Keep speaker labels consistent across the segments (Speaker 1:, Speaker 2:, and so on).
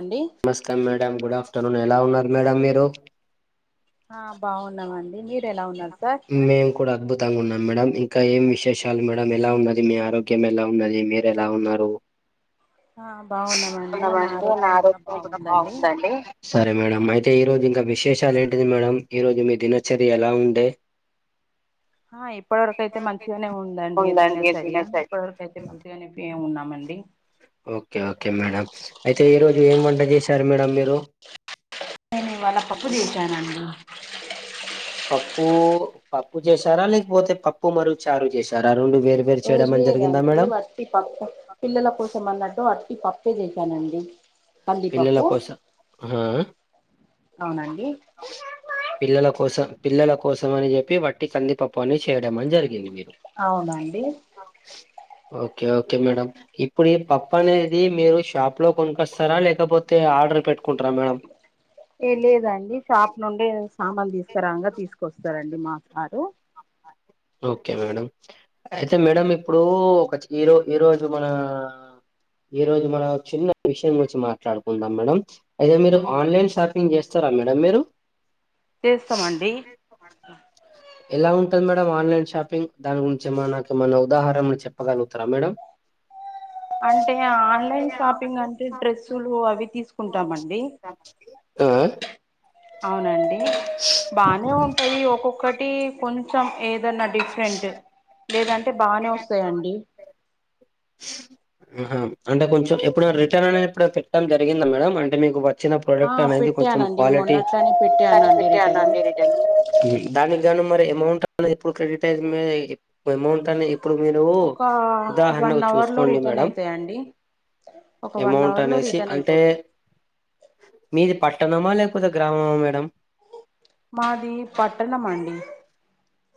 Speaker 1: అండి
Speaker 2: నమస్కా madam good afternoon ఎలా ఉన్నారు మేడం మీరు
Speaker 1: ఆ బాగున్నామండి మీరు ఎలా ఉన్నారు సార్
Speaker 2: మేము కూడా అద్భుతంగా ఉన్నాం మేడం ఇంకా ఏం విశేషాలు మేడం ఎలా ఉన్నది మీ ఆరోగ్యం ఎలా ఉన్నది మీరు ఎలా ఉన్నారు ఉన్నమండి మా ఆరోగ్యం కూడా బాగుందండి సరే మేడం అయితే ఈరోజు ఇంకా విశేషాలు ఏంటిది మేడం ఈరోజు మీ దినచర్య ఎలా ఉండే
Speaker 1: ఆ ఇప్పటివరకయితే మంచిగానే ఉందండి దినచర్య ఇప్పటివరకు అయితే మంచిగానే ఫియే ఉన్నామండి
Speaker 2: ఓకే ఓకే మేడం అయితే ఈరోజు ఏం వంట చేశారు మేడం మీరు
Speaker 1: నేను ఇవాళా పప్పు చేశానండి
Speaker 2: పప్పు పప్పు చేసారా లేకపోతే పప్పు మరు చారు చేశా చారా రోండు వేరు వేరు చేయడంమని జరిగిందా మేడమ్
Speaker 1: ట్టి పప్పు పిల్లల కోసం అన్నట్టు వట్టి పప్పే చేశానండి
Speaker 2: పిల్లల
Speaker 1: పల్లిపప్పు
Speaker 2: కోసం ఆ
Speaker 1: అవునండి
Speaker 2: పిల్లల కోసం పిల్లల కోసం అని చెప్పి వట్టి కందిప ప్పుని చేయడం అని జరిగింది మీరు
Speaker 1: అవునండి
Speaker 2: ఓకే ఓకే మేడం ఇ ప్పుడు ఈ పప్పు అనేది మీరు షాప్‌లో కొనుకొస్తారా లేకపోతే ఆర్డర్ పెట్టుకుంటారా మేడం
Speaker 1: ఏ లేదండి షాప్ నుండే సామాను తీసుకురాంగా తీసుకొస్తారండి మా సారు
Speaker 2: ఓకే మేడం అయితే మేడం ఇప్పుడు ఒక చిన్న ఈరోజు మన ఈరోజు మన చిన్న విషయం గురించి మాట్లాడుకుందాం మేడం అయితే మీరు
Speaker 1: ఉమ్
Speaker 2: ఆన్లైన్ షాపింగ్ చేస్తారా మేడం మీరు
Speaker 1: చేస్తామండి
Speaker 2: ఎలా ఉంటది మే డం ఆన్లైన్ షాపింగ్ దాని గురించి ఏమన నాకు ఏమన్న ఉదాహరణలు చెప్పగలుగుతారా మేడం
Speaker 1: అంటే ఆన్లైన్ షాపింగ్ అంటే డ్రెస్సులు అవి తీసుకుంటామండి
Speaker 2: ఆ
Speaker 1: అవునండి బానే ఉంటాయి ఒక్కొక్క టి కొంచెం ఏదన్నా డిఫరెంట్ లేదంటే బానే వస్తాయండి
Speaker 2: ఆహా అంటే కొంచెం ఎప్పుడన రిటర్న్ అనే ఎప్పుడన పె డం జరిగిందా మేడం అంటే మీకు వచ్చిన
Speaker 1: ఆ
Speaker 2: ప్రోడక్ట్ అనేది కొంచెం
Speaker 1: పెట్టానండి
Speaker 2: క్వాలిటీ
Speaker 1: మొన్నట్లనే
Speaker 2: చాలా
Speaker 1: పెట్టానండి రిటర్న్
Speaker 2: పెట్టానండి రిటను మ్మ్ఉహ్మ్ దానికి గాను మరి అమౌంట్ అనేది ఎప్పుడు క్రెడిట్ అయి అమౌంట్ అనే ఎప్పు ఇప్పుడు మీరు
Speaker 1: ఒక వన్
Speaker 2: ఉదాహరణకు
Speaker 1: అవర్ లో
Speaker 2: చూసుకోండి
Speaker 1: రిటర్న్
Speaker 2: మేడం
Speaker 1: అయితాయండి ఒక వన్
Speaker 2: అమౌంట్
Speaker 1: అవర్ లో
Speaker 2: అనేసి
Speaker 1: రిటర్న్
Speaker 2: అంటే
Speaker 1: అయిపోతాయి
Speaker 2: మీది పట్టణమా లేకపోతే గ్రామమా మేడం
Speaker 1: మాది పట్టణం అండి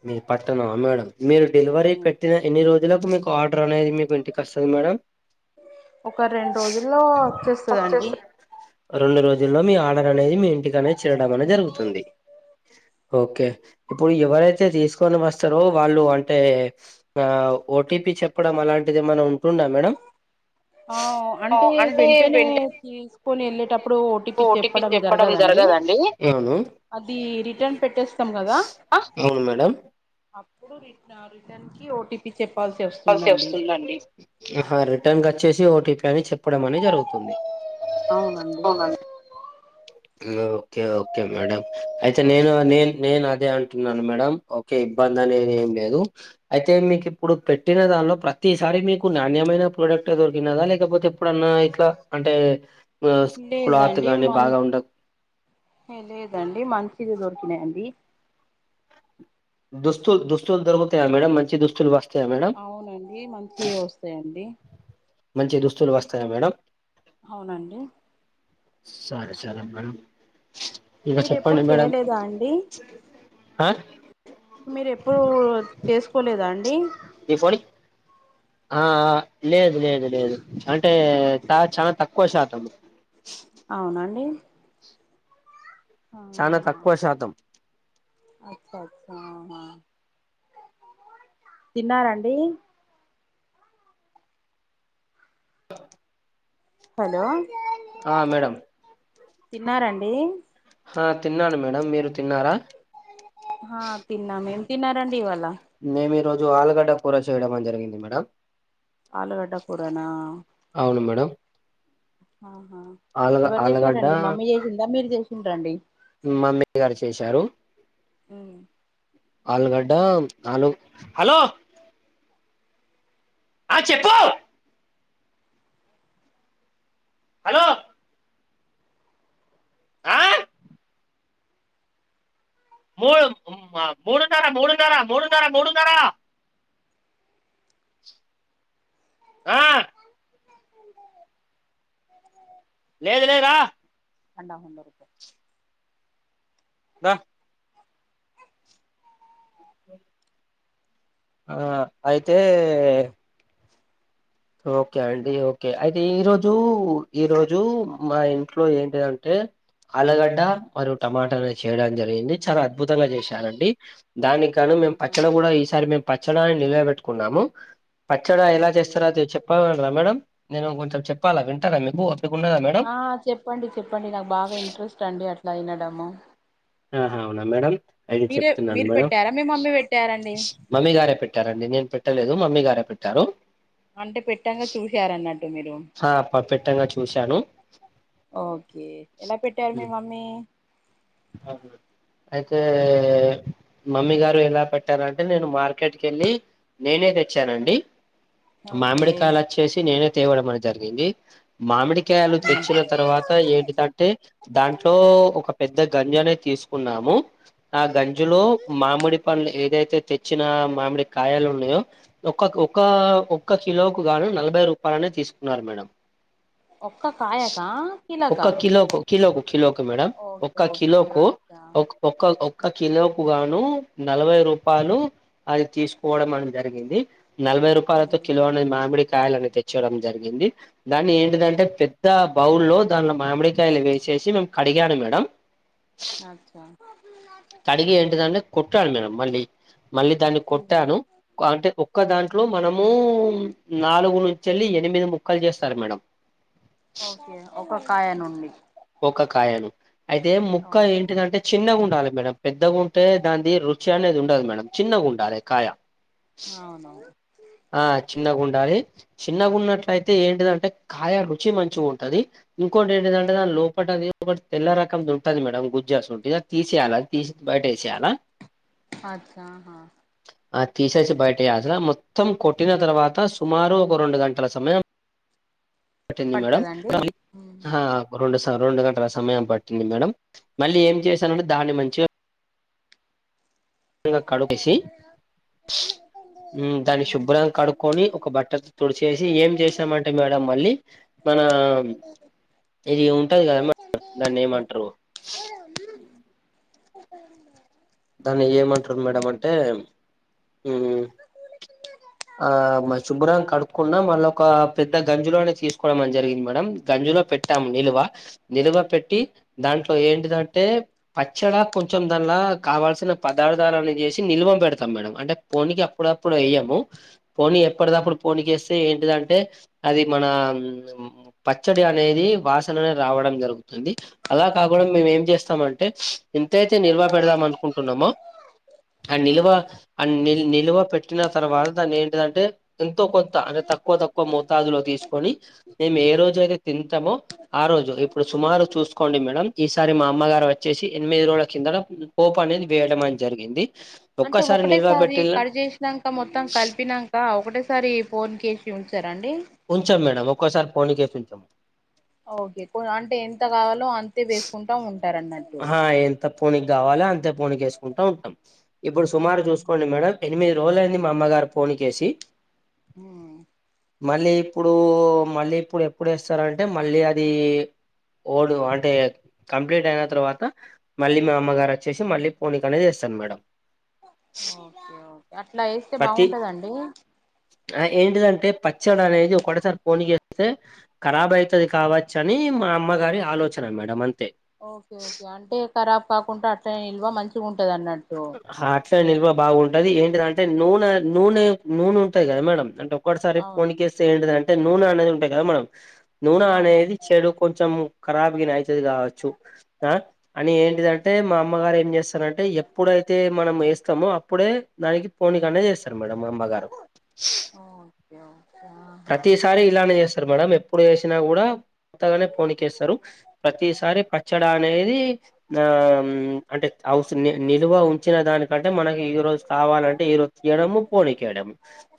Speaker 2: మీది పట్టణమా మేడం మీరు డెలివరీ పెట్టిన ఎన్ని రోజులకు మీకు ఆర్డర్ అనేది మీకు ఇంటికి వస్తది మేడం
Speaker 1: ఒక రెండు రోజుల్లో వచ్చేస్తాదండి
Speaker 2: రెండు రోజుల్లో మీ ఆర్డర్ అనేది మీ ఇంటిక అనేది చేరడం అనేది జరుగుతుంది. ఓకే ఇప్పుడు ఎవరైతే తీసుకొని వస్తారో వాళ్ళు అంటే నా ఓటీపీ చెప్పడం అలాంటిది ఏమన్నా ఉంటుండా మేడం.
Speaker 1: ఆవ్ అంటే వెంటనే తీసుకొని ఏళ్ళేటప్పుడు ఓటీపీ చెప్పడం జరగదండి.
Speaker 2: ఎవనవ్
Speaker 1: అది రిటర్న్ పెట్టేస్తాం గదా
Speaker 2: అవును మేడం
Speaker 1: అప్పుడు రిట్నా రిటర్న్కి ఓటీపీ చెప్పాల్సి వస్తుందండి.
Speaker 2: ఆహ్ రిటర్న్ గచ్చేసి ఓటీపీ అని చెప్పడం అని జరుగుతుంది.
Speaker 1: అవునండి
Speaker 2: ఇంగా ఓకే ఓకే మేడం. అయితే నేను నేన్ నేను అదే అంటున్నాను మేడం ఓకే ఇబ్బంది అనేది ఏం లేదు. అయితే మీకు ఇప్పుడు పె పుట్టిన దానిలో ప్రతిసారి మీకు నాణ్యమైన ప్రోడక్ట్ దొరికినదా లేకపోతే ఎప్పుడన్నా ఇట్లా అంటే. మోస్ క్లాత్
Speaker 1: లేదండి
Speaker 2: గానీ బాగా ఉండక్
Speaker 1: హే లేదండి మంచిది దొరికినాయడి.
Speaker 2: దుస్తులు దుస్తులు దొకుతాయా మేడం మంచి దుస్తులు వస్
Speaker 1: అవునండి మంచియే వస్తాయండి.
Speaker 2: మంచి దుస్తులు వస్తాయ మేడం.
Speaker 1: హావునండి.
Speaker 2: సరే సరే మేడం. ఇంకా
Speaker 1: మీరు
Speaker 2: చెప్పండి
Speaker 1: ఎప్పుడు
Speaker 2: మేడం
Speaker 1: చేయలేదా అండి.
Speaker 2: ఆ
Speaker 1: మీరు ఎప్పుడు చేసుకోలేదా అండి.
Speaker 2: ఈ ఫోనీయ్ ఆ లేదు లేదు లేదు అంటే త చానా తక్కువ శాతము.
Speaker 1: అవునండి.
Speaker 2: చానా తక్కువ శాతం.
Speaker 1: అచ్చచ్ ఆహా తిన్నారండి
Speaker 2: త
Speaker 1: హలో
Speaker 2: ఆ మేడం.
Speaker 1: తిన్నారండి.
Speaker 2: తిన్నాను మేడం, మీరు తిన్నారా.
Speaker 1: ఆహా తిన్నాం ఏం తిన్నారండి ఇవాలా
Speaker 2: మేము ఈ రోజు ఆలుగడ్డ కూర చేయడం మన్ జరిగింది మేడం.
Speaker 1: ఆలుగడ్డ కూరన్నా
Speaker 2: అవును మేడం.
Speaker 1: ఆహా
Speaker 2: ఆలుగ
Speaker 1: ఎవరు
Speaker 2: ఆలుగడ్డ
Speaker 1: జెశరండీ. మమ్మీ జేశిందా మీరు జెషిండ్రా అండి.
Speaker 2: ఉమ్ మమ్మీ గారు చేశారు. ఆలుగడ్డ ఆలు హలో ఆ చెప్పు హలో ఆ మూడ్ మూడు నర మూడు నర మూడు నర మూడు నర ఆ లేదులే రా
Speaker 1: అండా హ ఉండకు
Speaker 2: ద ఆ అయితే ఓకే అండి ఓకే అయితే ఈరోజు ఈరోజు మా ఇంట్లో ఏంటిదంటే ఆలగడ్డ పరోట టమాటాని చేయడం జరిగింది. చాలా అద్భుతంగా చేశారండి దానికి కాగా మేము
Speaker 1: అవునా
Speaker 2: పచ్చడం కూడా ఈసారి మేమ్. పచ్చడాని నిలవబెట్టుకున్నాము పచ్చడి ఎలా
Speaker 1: ఓకే
Speaker 2: చేస్తారో. చెప్పగలరా మేడం నేను కొంచెం చెప్పాలా వింటా మీపు
Speaker 1: ఆ చెప్పండి చెప్పండి నాకు బాగా ఇంట్రెస్ట్ అండి అట్లా ఇనడము
Speaker 2: ఆహా అవునా మేడం అయితే
Speaker 1: మీరే
Speaker 2: చెప్తున్నాను
Speaker 1: మీరు
Speaker 2: మేడం.
Speaker 1: పెట్టారా మీ మమ్మీ పెట్టారండి
Speaker 2: మమ్మీ గారే పెట్టారండి నేను పెట్టలేదు మమ్మీ గారే పెట్టారు.
Speaker 1: అంటే పెట్టంగా చూసార అన్నట్టు మీరు.
Speaker 2: ఆ ప పెట్టంగా చూశాను
Speaker 1: ఓకే ఎలా పెట్టారు మీ మమ్మీ.
Speaker 2: అగులు అయితే మమ్మీ గారు ఎలా పెట్టారంటే నేను మార్కెట్ కి ఎళ్ళి నేనే తెచ్చానండి.
Speaker 1: ఓకే
Speaker 2: మామిడికాయలు వచ్చేసి నేనే తేవడం అనేది జరిగింది మామిడి. క్యాలు తెచ్చిన తర్వాత ఏంటిదంటే దాంట్లో ఒక. పెద్ద గంజొనె తీసుకున్నాము ఆ గంజిలో. మామిడి పండ్లు ఏదైతే తెచ్చిన మామిడి కాయలు ఉన్నాయో. ఒక్ కక్ ఒక్క కిలోకి గాను నలభై రూపాయలనే తీసుకున్నారు మేడం
Speaker 1: ఒక్క కాయకా
Speaker 2: ఒక్క
Speaker 1: కిలకా
Speaker 2: కిలోకు కిలోకు కిలోకి మేడం.
Speaker 1: ఓకే
Speaker 2: ఒక్క
Speaker 1: ఓకే
Speaker 2: కిలోకు
Speaker 1: అచ్చా
Speaker 2: ఒ ఒక్క ఒక్క కిలోకు గాను నలభై రూపాయలు అది తీసుకోవడం అనేది జరిగింది. నలభై రూపాయలతో కిలోనే మామిడి కాయలని తెచ్చడం జరిగింది. దాన్ని ఏంటిదంటే పెద్ద బౌల్ లో దానిలో మామిడికాయలు వేసేసి మేము కడిగాను మేడం.
Speaker 1: అచ్చా
Speaker 2: కడిగి ఎంటిదంటే కొట్టాను మేడం మళ్ళీ మళ్ళీ దాన్ని కొట్టాను అంటే ఒక్క దాంట్లో మనము నాలుగు నుంచేళ్ళి ఎనిమిది ముక్కలు చేస్తారు మేడం.
Speaker 1: ఒకే కాయ నుండి
Speaker 2: ఒక్క కాయను అయితే ముక్క
Speaker 1: ఓకే
Speaker 2: ఏంటిదంటే చిన్నగా ఉండాలే మేడం పెద్దగా ఉంటే దాన్ని రుచి అనేది ఉండదు మేడం. చిన్నగుండాలే కాయ
Speaker 1: అవునవును
Speaker 2: ఆ చిన్నగా ఉండాలీ చిన్నగున్నట్లయితే ఏంటిదంటే కాయ రుచి మంచిగా ఉంటది ఇంకోకటి ఏంటిందంటే దానీ లోపట అది ఒకటి తెల్లర. కం ఉంటది మేడమ్ గుజ్జాస్ ఉంటంది అది తీసేయాలా తీసి బయటేసేయాలా
Speaker 1: అచ్చాహా
Speaker 2: ఆ తీసేసి బయట యాస మొత్తం కొట్టిన తర్వాత సుమారు ఒక రెండు గంటల సమయం. పట్టింది మేడం
Speaker 1: పడుతదండి
Speaker 2: ఆ. రెండు సరు రెండు గంటల సమయం పట్టింది మేడం మళ్ళీ ఏం చేశానంటే దాన్ని మంచిగా ఇంకా కడు ఎసి ఉ దాన్ని శుభ్రంగా కడుక్కొని ఒక బట్టర్తో తుడిచేసి ఏం చేసామం టే మేడం మళ్ళీ మన ఇది ఉంటది కద మేడం దాన్ని ఏమంటరు దాన్ని ఏమంటరు మేడం
Speaker 1: ఏంటి
Speaker 2: అంటే
Speaker 1: [unintelligible]
Speaker 2: ఆ మ శుభ్రనంగా కడుక్కున్న మళ్ళ ఒక పెద్ద గంజులోనే తీసుకోవడం జరిగింది మేడం గంజులో పెట్ తం నిలువా నిలువ పెట్టి దాంట్లో ఏంటిదంటే పచ్చడా కొంచెం దాన్ల్ల కావల్సిన పదార్థాలని చేసి నిల్వ పెడతాం మేడం అంటే పోనికి అప్పుడప్పుడు ఏయ్యాము పోనీ ఎప్పటిదప్పుడు పోనీకేస్తే ఏంటిదంటే అది మన పచ్చడి అనేది వాసననే రావడం జరుగుతుంది అలా కాకుండా మేము ఏం చేస్తామంటే ఎంతైతే నిల్వ పెడదాం అనుకు కుంటున్నామో ఆ నిల్వ అ నిల్ నిల్వ పెట్టిన తర్వాత దాన్ని ఏంటిదంటే ఎంతో కొంత అంటే తక్కువ తక్కువ మోతాదులో తీసుకొని మేము ఏ రోజు అయితే తింటమో ఆ రోజు ఇప్పుడు సుమారు చూసుకోండి మేడం ఈసారి మా అమ్మగారు వచ్చేసి ఎనిమిది రోజుల కిందట పోప్ అనేది వేయడం అని జరిగింది
Speaker 1: అంటే
Speaker 2: ఒక్కసారి నిల్వ
Speaker 1: ఒకటేసారి
Speaker 2: పెట్టిల్లా
Speaker 1: కట్ చేసినాక మొత్తం కలిపినా దా ఒకటేసారి పొనికేసి ఉంచార అండి
Speaker 2: ఉంచాం మేడం ఒక్కోసారి పోనీకేసి ఉంచాం
Speaker 1: ఓకే అంటే ఎంత కావాలో అంతే వేసుకుంటా ఉంటారన్నట్టు
Speaker 2: త పోనీక్ కావాలె అంతే పోనికి వేసుకుంటా ఉంటాం ఇప్పుడు సుమారు
Speaker 1: ఆహా
Speaker 2: చూసుకోండి మేడం ఎనిమిది రోజులైంది మా అమ్మగారు పొనిక్కేసి
Speaker 1: ఆహ్
Speaker 2: మళ్ళీ ఇప్పుడు మళ్ళీ ఇప్పుడు ఎప్పుడు ఏస్తారంటే మళ్ళీ అది ఓల్డ్ అంటే కంప్లీట్ అయిన తర్వాత మళ్ళీ మా అమ్మగారు వచ్చేసి మళ్ళీ పోనీకనేది ఏస్తారు మేడం
Speaker 1: ఓకే ఒకే అట్లా ఏస్తే బాగుంటాదా అండి
Speaker 2: ఆ ఏంటిదంటే పచ్చడి అనేది ఒకటెసారి పోనికేస్తే కరాబ్ అయితది కావచ్చు అని మా అమ్మగారి ఆలోచన మేడం అంతే
Speaker 1: ఓకే ఓకే అంటే కరాబ్ కాకుండా అట్ల నిల్వ మంచిగుంటది అన్నట్టు
Speaker 2: హా అట్లా నిల్వ బాగుంటది ఏంటిదంటే నూనె నూనె నూనె ఉంటది కదా మేడం అంటే ఒక్కసారి
Speaker 1: అవును
Speaker 2: పోనికేస్తే ఏంటిదంటే నూనె అనేది ఉంటది కదా మనం నూనె
Speaker 1: అవును
Speaker 2: అనేది చెడు కొంచెం కారాబ్ గిన ఐతది కావచ్చు అని ఏంటిదంటే మా అమ్మగారు ఏం చేస్తారంటే ఎ ప్పుడైతే మనం వేస్తామో అప్పుడే దానికి పోనికనేది చేస్తారు మేడంమ్ మా అమ్మగారు
Speaker 1: అవున్ ఏమో క్యా
Speaker 2: ప్రతిసారి ఇలానే చేస్తారు మేడం ఎప్పుడు చేసినా కూడా కొత్తగానే పొనికేస్తారు ప్రతిసారి పచ్చడా అనేది ఆ అంటే అవసర నిల్వ ఉంచిన దానికంటే మనకి ఈ రోజు కావాలంటే ఈరోజు తీయడము పోనీకేయడం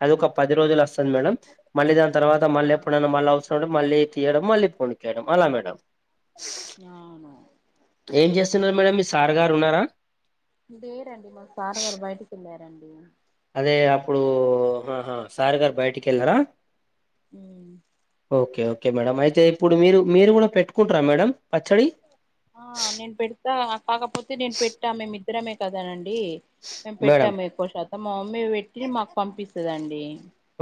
Speaker 2: అది ఒక పది రోజులు వస్తది మేడం మళ్ళీ దాన్ తర్వాత మళ్ళ ఎప్పుడైన
Speaker 1: ఆహా.
Speaker 2: మళ్ళీ అవసరం ఉంటే మళ్ళీ తీయడం మళ్ళీ పోనిక్ ఏయ్యడం అలా మేడం
Speaker 1: ఆవును
Speaker 2: ఏం చేస్తున్నారు మేడమ్ మీ సార్ గారు ఉన్నారా
Speaker 1: లేేరండి మా సార్ గారు బయటకేళ్ళారండి
Speaker 2: అదే అప్పుడు ఆహా సార్ గారు బయటికి వెళ్లరా
Speaker 1: మ్మ్
Speaker 2: ఓకే ఓకే మేడం అయితే ఇప్పుడు మీరు మీరు కూడా పెట్టుకుంటారా మేడం పచ్చడి
Speaker 1: ఆ నేను పెడతా కాకపోతే నేను పెట్టా మేమిద్దరమే కదానండి మేము
Speaker 2: మేడం
Speaker 1: పెట్టాము ఎక్కువ శాతం మా మమ్మీ పెట్టి మాకు పంపిస్తదండి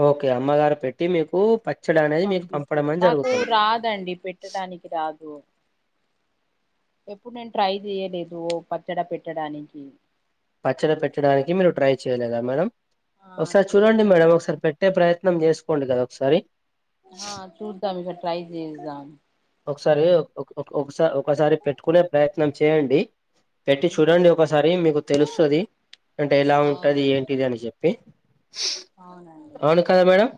Speaker 2: ఓకే అమ్మగారు పెట్టి మీకు ప
Speaker 1: పంపిస్తుంది నాకు రాదండి పెట్టడానికి రాదు ఎప్పుడు నేను ట్రై చేయలేదు పచ్చడ పెట్టడానికి
Speaker 2: పచ్చడి పెట్టడానికి మీరు ట్రై చేయలేదా మేడం
Speaker 1: ఆ
Speaker 2: ఒకసారి చూడండి
Speaker 1: చేయలేదు
Speaker 2: మేడం ఒకసారి పె ట్టే ప్రయత్నం చేసుకోండి కదా ఒకసారి
Speaker 1: ఆ చూద్దాం ఇక్కడ ట్రై చేస్దాం
Speaker 2: ఒకసారి ఒక్ ఒక్ ఒకసారి ఒకసారి పెట్టుకునే ప్రయత్నం చేయండి పెట్టి
Speaker 1: ఉమ్,
Speaker 2: చూడండి ఒకసారి మీకు తెలుస్తది అంటే ఎలా ఉంటది
Speaker 1: అవును
Speaker 2: ఏంటిది అని చెప్పి
Speaker 1: అవున
Speaker 2: అవును కదా మేడం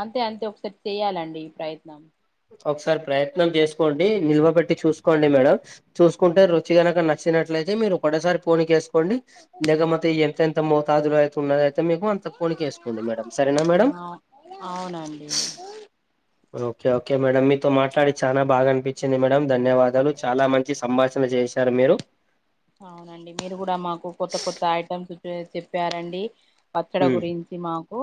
Speaker 1: అంతే అంతే ఒకసారి చేయాలండి ఈ ప్రయత్నం
Speaker 2: ఒకసారి ప్రయత్నం చేసుకోండి నిల్వ పెట్టి చూసుకోండి మేడం చూసుకుంటే రుచిగనక న చ్చినట్లయితే మీరు ఒకటే సారి పోన్ కేసుకోండి దగమతి ఎంత ఎంత మోతాదులో అయితున్నది అయితే మీకు అంత పొనికేసుకోండి మేడం సరేనా మేడం
Speaker 1: ఆ అవునండి
Speaker 2: ఓకే ఓకే మేడమ్ మీతో మాట్లాడి చాలా బాగా అనిపించింది మేడం ధన్యవాదాలు చాలా మంచి సంభాషణ చేశారు మీరు
Speaker 1: అవునండి మీరు కూడా మాకు కొత్త కొత్త ఐటమ్స్ చెప్పారండి పచ్చడి
Speaker 2: ఉమ్,
Speaker 1: గురిం మాకు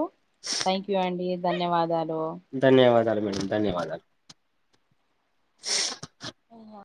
Speaker 1: థ్యాంక్ యూ అండి ధన్యవాదాలు
Speaker 2: ధన్యవాదాలు మేడం ధన్యవాదాలు
Speaker 1: ఉ ఆ